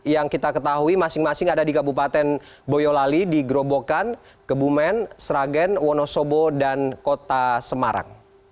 yang kita ketahui masing masing ada di kabupaten boyolali di gerobokan kebumen sragen wonosobo dan kota semarang